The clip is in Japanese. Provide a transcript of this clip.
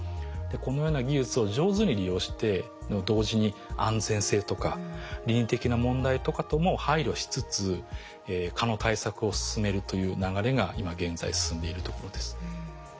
このような技術を上手に利用して同時に安全性とか倫理的な問題とかとも配慮しつつ蚊の対策を進めるという流れが今現在進んでいるところです。